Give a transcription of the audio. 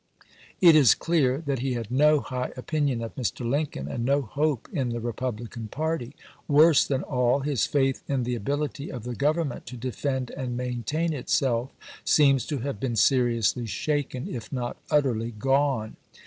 It is clear that he had no high opinion of Mr. Lincoln, and no hope in the Eepublican party ; worse than all, his faith in the ability of the Government to defend and maintain itself seems to have been seriously shaken, if not utterly gone.